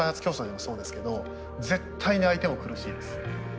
競争でもそうですけど絶対に相手も苦しいです。